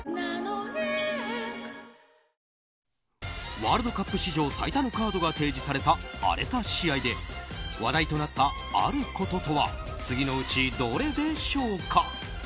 ワールドカップ史上最多のカードが提示された荒れた試合で話題となったあることとは次のうちどれでしょうか。